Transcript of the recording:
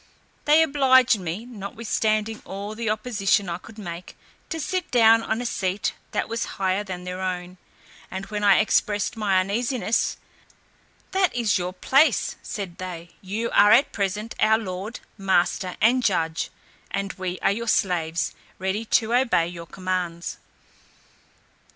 They obliged me, notwithstanding all the opposition I could make, to sit down on a seat that was higher than their own; and when I expressed my uneasiness, "That is your place," said they, "you are at present our lord, master, and judge, and we are your slaves, ready to obey your commands."